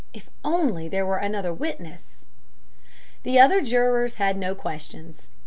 If only there were another witness! The other jurors had no questions.